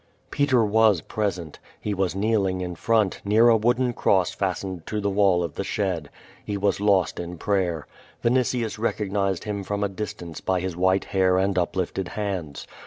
Peter was present. He ,was kneeling in front, near a ^\x)oden cross fastened to the wtill of the shed. lie was lost in ])rayer. Vinitius recognized him from a distance by his white hair and uplifted hands.